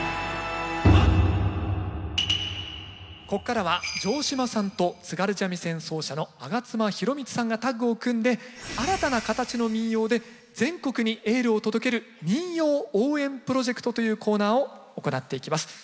ここからは城島さんと津軽三味線奏者の上妻宏光さんがタッグを組んで新たな形の民謡で全国にエールを届ける「民謡応援プロジェクト」というコーナーを行っていきます。